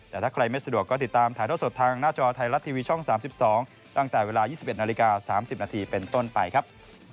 แต่ถ้าใครไม่สะดวกก็ติดตามถ่ายเท่าสดทางหน้าจอไทยรัฐทีวีช่อง๓๒ตั้งแต่เวลา๒๑นาฬิกา๓๐นาทีเป็นต้นไปครับ